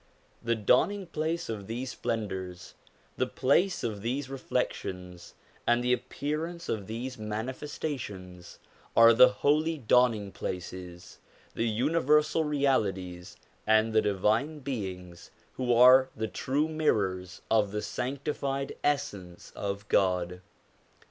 The dawning place of these splendours, the place of these reflections, and the appearance of these manifestations, are the Holy Dawning places, the Uni versal Realities and the Divine Beings, who are the true mirrors of the sanctified Essence of God.